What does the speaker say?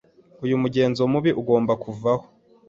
Uyu mugenzo mubi ugomba kuvaho.